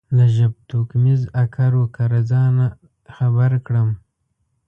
له ژبتوکمیز اکر و کره ځان خبر کړم.